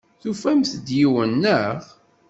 Tufamt-d yiwen, naɣ?